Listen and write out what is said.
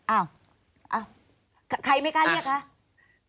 อ้าวใครไม่กล้าเรียกคะ